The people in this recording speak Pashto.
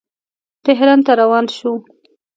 تهران ته روان شو.